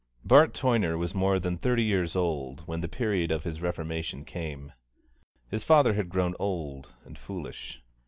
Bart Toyner was more than thirty years old when the period of his reformation came. His father had grown old and foolish.